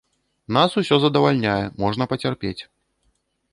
Нас усё задавальняе, можна пацярпець.